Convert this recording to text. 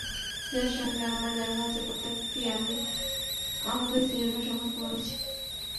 যাদের সঙ্গে আমার দেখা হয়েছে প্রত্যেককেই আমি আমাদের সিনেমা সম্পর্কে বলেছি।